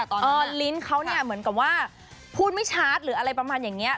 โอ้มลิ้นเปรี้ยตอนนั้นเออลิ้นเขาเนี่ยเหมือนกับว่าพูดไม่ชาติหรืออะไรประมาณอย่างเงี้ย